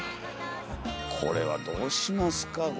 これはどうしますか？